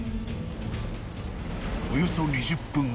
［およそ２０分後］